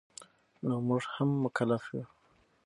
نو مونږ هم مکلف یو